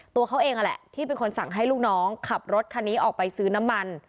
ตัวเขาเองนั่นแหละที่เป็นคนสั่งให้ลูกน้องขับรถคันนี้ออกไปซื้อน้ำมัน